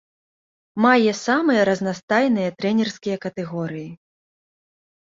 Мае самыя разнастайныя трэнерскія катэгорыі.